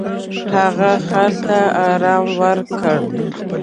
هغه خر ته ارام ورکړ.